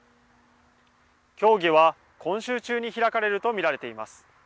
協議は今週中に開かれると見られています。